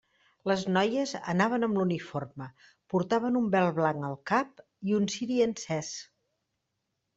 Les noies anaven amb l'uniforme, portaven un vel blanc al cap, i un ciri encès.